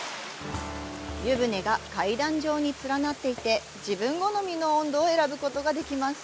湯舟が階段状に連なっていて自分好みの温度を選ぶことができます。